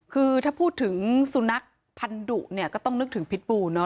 คือถ้าพูดถึงสุนัขพันธุเนี่ยก็ต้องนึกถึงพิษบูเนอ